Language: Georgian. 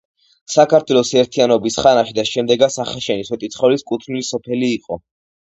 საქართველოს ერთიანობის ხანაში და შემდეგაც ახაშენი სვეტიცხოვლის კუთვნილი სოფელი იყო.